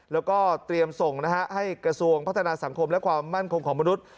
แล้วก็เตรียมส่งนะฮะให้กระทรวงพัฒนาสังคมและความมั่นคงของมนุษย์